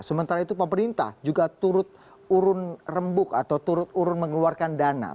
sementara itu pemerintah juga turut urun rembuk atau turut urun mengeluarkan dana